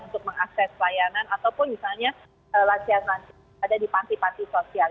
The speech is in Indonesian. untuk mengakses layanan ataupun misalnya lansia lansia ada di panti panti sosial